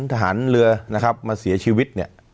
ทหารเรือนะครับมาเสียชีวิตเนี่ย